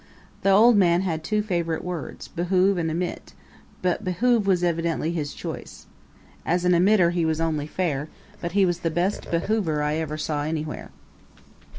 The old man had two favorite words behoove and emit but behoove was evidently his choice. As an emitter he was only fair, but he was the best behoover I ever saw anywhere.